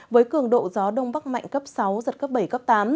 với cường độ gió đông bắc mạnh cấp sáu giật cấp bảy cấp tám